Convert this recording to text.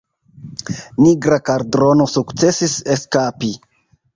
Nigra Kaldrono sukcesis eskapi.